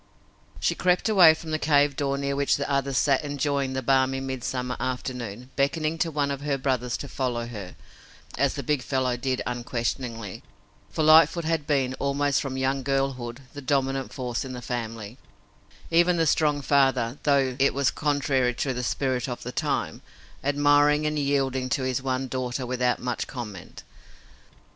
She crept away from the cave door near which the others sat enjoying the balmy midsummer afternoon, beckoning to one of her brothers to follow her, as the big fellow did unquestioningly, for Lightfoot had been, almost from young girlhood, the dominant force in the family, even the strong father, though it was contrary to the spirit of the time, admiring and yielding to his one daughter without much comment.